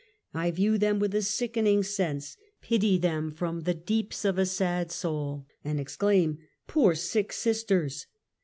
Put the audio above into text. I view them with a sickening sense, pity them from the deeps of a sad soul and exclaim, poor, sick sisters